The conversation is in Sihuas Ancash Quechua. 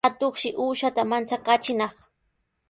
Atuqshi uushata manchakaachinaq.